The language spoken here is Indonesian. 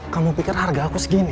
kamu pikir harga aku segini